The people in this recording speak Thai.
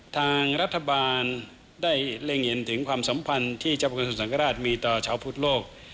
ทางรัฐบาลได้เล็งเห็นถึงความสัมพันธ์ที่เจ้าประสุสังฆราชมีต่อชาวพุทธโลก